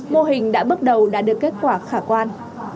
mô hình đã bước đầu đã được kết quả khả quan